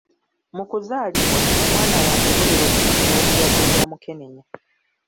Mu kuzaalibwa, omwana w'asobolera okufunira obulwadde bwa mukenenya.